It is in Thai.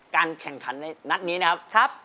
การแข่งขันในนัดนี้นะครับ